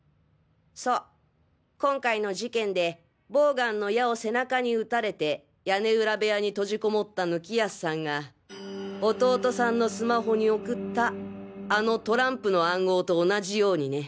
そう今回の事件でボウガンの矢を背中に撃たれて屋根裏部屋に閉じこもった貫康さんが弟さんのスマホに送ったあのトランプの暗号と同じようにね。